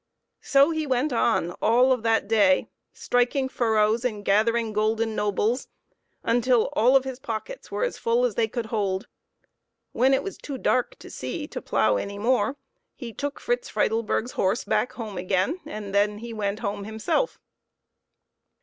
So he went on all of that day, striking furrows and gathering golden nobles until all of his pockets were as full as they could hold. When it was too dark to see to plough any more he took Fritz Friedleburg's horse back home again, and then he went home himself.